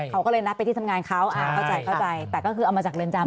เขาก็เลยนัดไปที่ทำงานเขาอ่าเข้าใจเข้าใจแต่ก็คือเอามาจากเรือนจำ